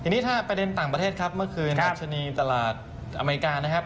ทีนี้ถ้าประเด็นต่างประเทศครับเมื่อคืนราชนีตลาดอเมริกานะครับ